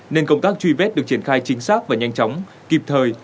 nên công tác truy vết được triển khai chính xác và nhanh chóng kịp thời